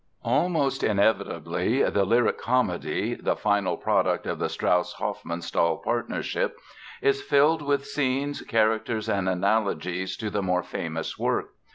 Almost inevitably, the lyric comedy—the final product of the Strauss Hofmannsthal partnership—is filled with scenes, characters and analogies to the more famous work.